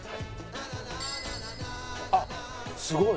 あっすごい。